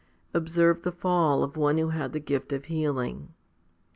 Observe the fall of one who had the gift of healing.